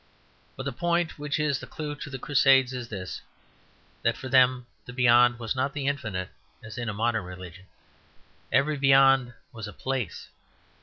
But the point which is the clue to the Crusades is this: that for them the beyond was not the infinite, as in a modern religion. Every beyond was a place.